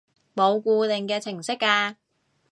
冇固定嘅程式㗎